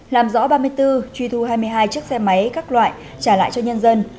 làm rõ ba mươi bốn truy thu hai mươi hai chiếc xe máy các loại trả lại cho nhân dân